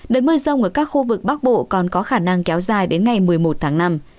đợt mưa rông ở các khu vực bắc bộ còn có khả năng kéo dài đến ngày một mươi một tháng năm